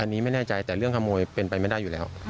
อันนี้ไม่แน่ใจแต่เรื่องขโมยเป็นไปไม่ได้อยู่แล้ว